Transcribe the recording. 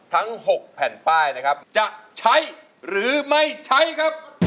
ทั้ง๖แผ่นป้ายนะครับจะใช้หรือไม่ใช้ครับ